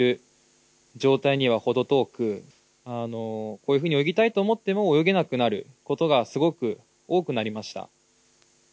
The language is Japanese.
こういうふうに泳ぎたいと思っても泳げなくなることがすごく多くなりました。